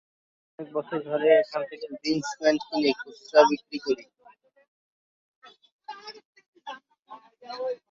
অনেক বছর ধরে এখান থেকে জিনস প্যান্ট কিনে নিয়ে খুচরা বিক্রি করি।